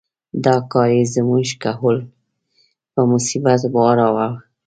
دا کار یې زموږ کهول په مصیبت واړاوه.